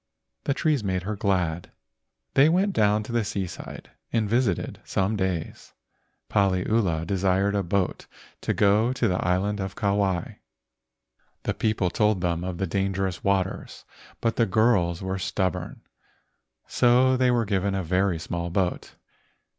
The trees made her glad. They went down to the seaside and visited some days. Paliula desired a boat to go to the island of Kauai. The people told them of the dangerous waters, but the girls were stub¬ born, so they were given a very small boat.